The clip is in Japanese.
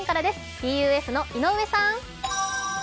ＴＵＦの井上さん。